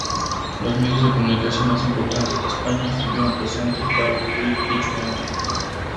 Los medios de comunicación más importantes de España estuvieron presentes para cubrir dicho evento.